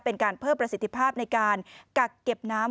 เป็นการเพิ่มประสิทธิภาพในการกักเก็บน้ำ